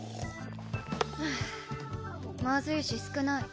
まずいし少ない。